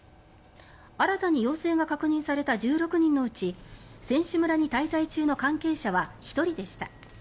新たに陽性が確認された１６人のうち選手村に滞在中の関係者は１人でした。